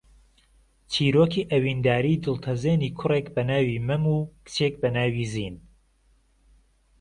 چیرۆکی ئەوینداریی دڵتەزێنی کوڕێک بە ناوی مەم و کچێک بە ناوی زین